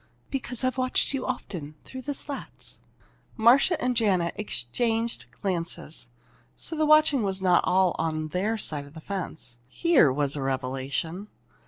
"Because I've watched you often through the slats!" Marcia and Janet exchanged glances. So the watching was not all on their side of the fence! Here was a revelation!